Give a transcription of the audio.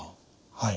はい。